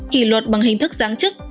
kỷ luật bằng hình thức giáng chức